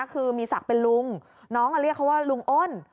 คือมีศักดิ์เป็นลุงน้องเรียกเขาว่าลุงอ้น